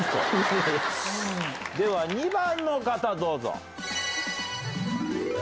では２番の方どうぞ。